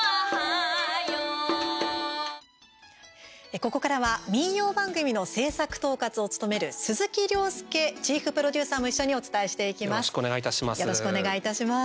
ここからは民謡番組の制作統括を務める鈴木良介チーフプロデューサーも一緒にお伝えしていきます。